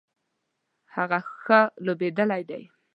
هغه ښه لوبیدلی دی